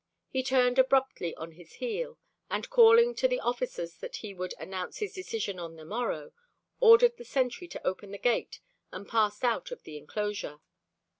He turned abruptly on his heel, and calling to the officers that he would announce his decision on the morrow, ordered the sentry to open the gate and passed out of the enclosure.